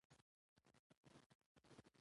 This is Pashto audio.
ځمکه د افغانستان د شنو سیمو ښکلا ده.